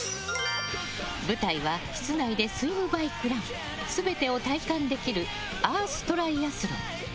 舞台は、室内でスイム、バイク、ラン全てを体感できるアーストライアスロン。